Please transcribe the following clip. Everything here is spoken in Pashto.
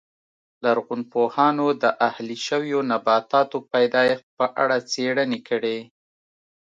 لرغونپوهانو د اهلي شویو نباتاتو پیدایښت په اړه څېړنې کړې